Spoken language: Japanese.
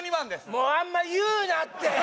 もうあんま言うなって！